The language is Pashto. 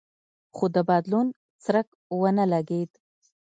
خو د بدلون څرک ونه لګېد.